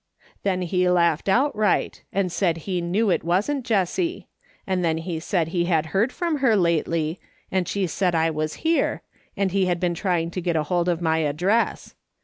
Then he laughed outright, and said he knew it wasn't Jessie ; and then he said he had heard from her lately, and she said I was here, and he had been trying to get hold of my address.